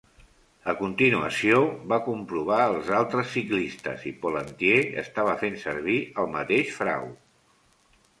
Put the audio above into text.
A continuació, va comprovar els altres ciclistes i Pollentier estava fent servir el mateix frau.